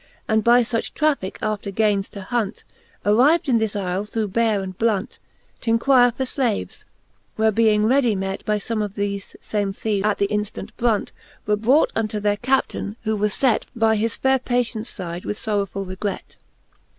And by fuch trafficke after gaines to hunt, Arrived in this Ifle, though bare and blunt, T' inquire for Haves ; where being readie met By fome of thefe fame theeves at th' inftant brunt. Were brought unto their Captaine, who was fet By his faire patients fide with forrowfuU regret.